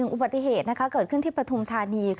อุบัติเหตุเกิดขึ้นที่ปฐุมธานี